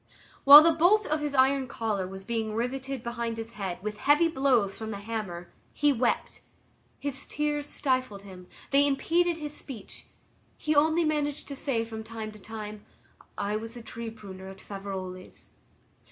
While the bolt of his iron collar was being riveted behind his head with heavy blows from the hammer, he wept, his tears stifled him, they impeded his speech; he only managed to say from time to time, "I was a tree pruner at Faverolles."